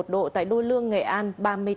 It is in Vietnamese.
ba mươi tám một độ tại đô lương nghệ an